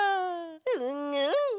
うんうん！